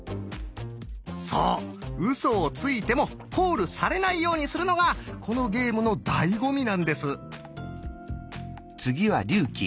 ウソをついてもコールされないようにするのがこのゲームのだいご味なんです。